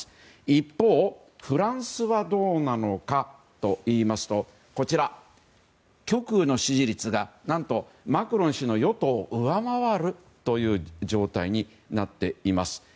一方、フランスはどうなのかといいますと極右の支持率がマクロン氏の与党を上回るという状態になっています。